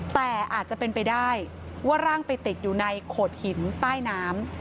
แต่อาจจะเป็นไปได้ว่าร่างไปติดอยู่ในโขดหินใต้น้ำ